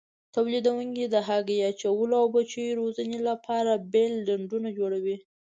تولیدوونکي د هګۍ اچولو او بچیو روزنې لپاره بېل ډنډونه جوړوي.